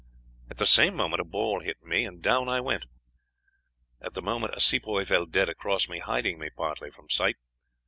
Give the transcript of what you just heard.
At the same moment a ball hit me, and down I went. At the moment a Sepoy fell dead across me, hiding me partly from sight.